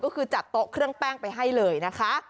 ก็คือจัดโต๊ะเครื่องแป้งไปให้เลยนะคะ